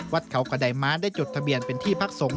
วัดเขากระดายม้าได้จดทะเบียนเป็นที่พักสงฆ